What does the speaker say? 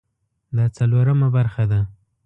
دا څلورمه برخه ده